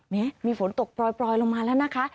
นี่มีฝนตกปล่อยลงมาแล้วนะคะ